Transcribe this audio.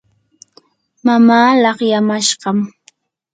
mamaa laqyamashqam.